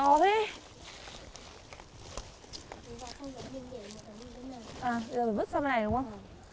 à bây giờ phải vứt sang này đúng không